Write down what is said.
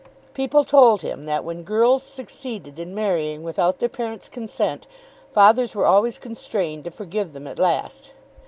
People told him that when girls succeeded in marrying without their parents' consent, fathers were always constrained to forgive them at last.